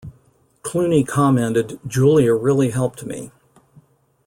Clooney commented, Julia really helped me.